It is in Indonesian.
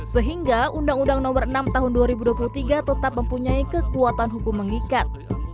sehingga undang undang nomor enam tahun dua ribu dua puluh tiga tetap mempunyai kekuatan hukum mengikat